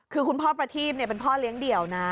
คือคุณพ่อประทีพเป็นพ่อเลี้ยงเดี่ยวนะ